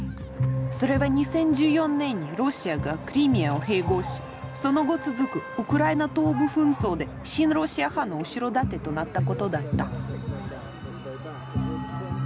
それは２０１４年にロシアがクリミアを併合しその後続くウクライナ東部紛争で親ロシア派の後ろ盾となったことだった。